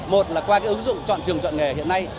một là qua ứng dụng chọn trường chọn nghề hiện nay